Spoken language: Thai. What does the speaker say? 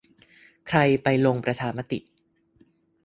ใครไป ลงประชามติ